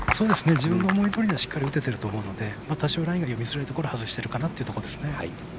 自分の思いどおりしっかり打てていると思うので多少ラインが読みづらいところを外してるかなというところですね。